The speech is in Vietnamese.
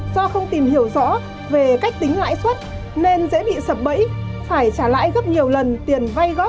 do không tìm hiểu rõ về cách tính lãi xuất nên dễ bị sập bẫy phải trả lại gấp nhiều lần tiền vay gốc